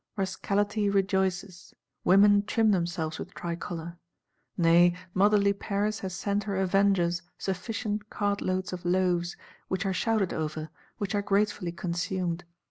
Rascality rejoices; women trim themselves with tricolor. Nay motherly Paris has sent her Avengers sufficient "cartloads of loaves;" which are shouted over, which are gratefully consumed.